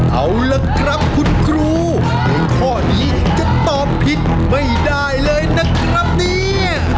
เอาล่ะครับคุณครูในข้อนี้จะตอบผิดไม่ได้เลยนะครับเนี่ย